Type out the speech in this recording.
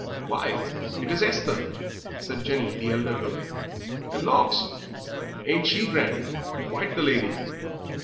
"Why, it is Esther!" said Jenny, the elder girl. "And, lorks, ain't she grand! quite the lady.